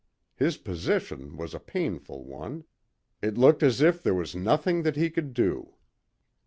His position was a painful one; it looked as if there was nothing that he could do.